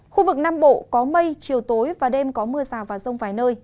khu vực nam bộ có mây chiều tối và đêm có mưa rào và rông vài nơi